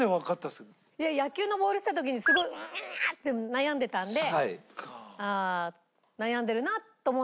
野球のボールっつった時にすごい「ああっ」って悩んでたので悩んでるなと思って。